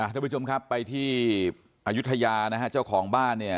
ท่านผู้ชมครับไปที่อายุทยานะฮะเจ้าของบ้านเนี่ย